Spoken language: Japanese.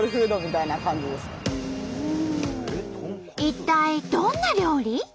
一体どんな料理？